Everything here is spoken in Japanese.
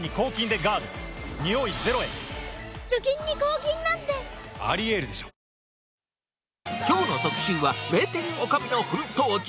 きょうの特集は、名店女将の奮闘記。